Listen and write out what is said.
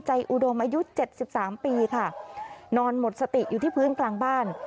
อุดมอายุเจ็ดสิบสามปีค่ะนอนหมดสติอยู่ที่พื้นกลางบ้าน